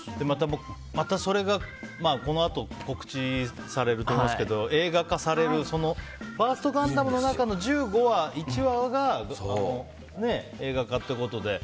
また、それがこのあと告知されると思うんですけど映画化されるファースト「ガンダム」の中の１５話、その１話が映画化ってことで。